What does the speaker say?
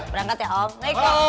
berangkat ya om